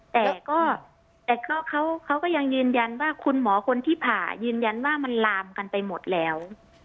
แต่ก็เขาก็ยังยืนยันว่าคุณหมอคนที่ผ่ายืนยันว่ามันลามกันไปหมดแล้ว